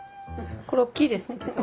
これおっきいですけど。